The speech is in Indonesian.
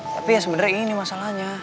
tapi ya sebenarnya ini masalahnya